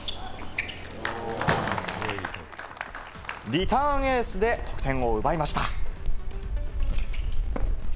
リターンエースで得点を奪いました。